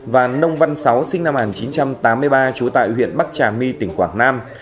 và nông văn sáu sinh năm một nghìn chín trăm tám mươi ba trú tại huyện bắc trà my tỉnh quảng nam